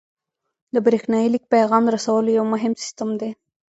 د بریښنایي لیک پیغام رسولو یو مهم سیستم دی.